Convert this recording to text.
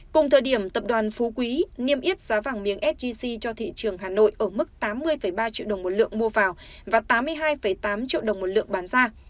cùng thời điểm tập đoàn phú quý niêm yết giá vàng miếng sgc cho thị trường hà nội ở mức tám mươi ba triệu đồng một lượng mua vào và tám mươi hai tám triệu đồng một lượng bán ra